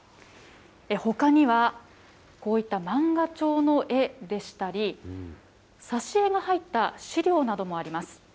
ほかには、こういった漫画調の絵でしたり、挿し絵が入った資料などもあります。